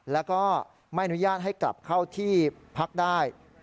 แล้วก็ไม่อนุญาตให้กลับเข้าที่พักได้